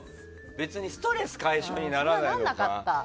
ストレス解消にならないか。